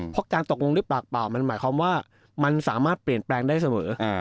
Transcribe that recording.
เพราะการตกลงด้วยปากเปล่ามันหมายความว่ามันสามารถเปลี่ยนแปลงได้เสมอ